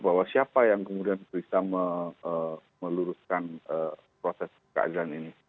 bahwa siapa yang kemudian bisa meluruskan proses keadilan ini